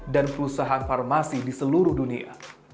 dan perusahaan farmasi di seluruh dunia